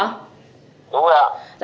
đúng rồi ạ